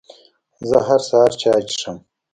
زه هر سهار چای څښم